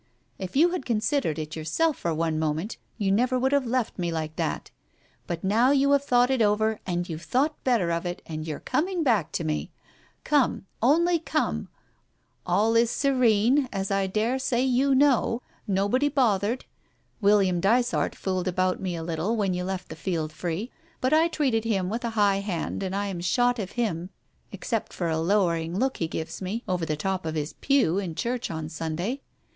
If you had considered it yourself for one moment you never would have left me like that. But now you have thought it over, and you've thought better of it, and you are coming back to me I Come, only come ! All is serene, as I daresay you know. Nobody bothered. William Dysart fooled about me a little when you left the field free, but I treated hirn with a high hand and I am shot of him except for a lowering look he gives me over the top of his pew, in Church on Sunday.